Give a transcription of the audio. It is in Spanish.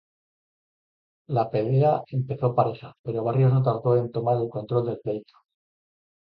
La pelea empezó pareja, pero Barrios no tardó en tomar el control del pleito.